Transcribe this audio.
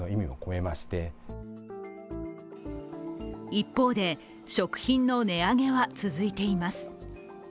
一方で、食品の値上げは続いています。